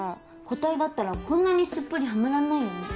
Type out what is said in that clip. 固体だったらこんなにすっぽりはまらないよね。